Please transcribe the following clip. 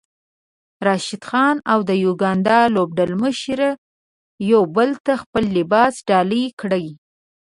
راشد خان او د يوګاندا لوبډلمشر يو بل ته خپل لباس ډالۍ کړی